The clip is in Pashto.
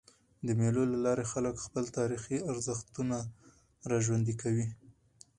د مېلو له لاري خلک خپل تاریخي ارزښتونه راژوندي کوي.